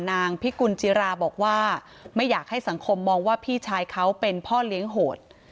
นางพิกุลจิราบอกว่าไม่อยากให้สังคมมองว่าพี่ชายเขาเป็นพ่อเลี้ยงโหด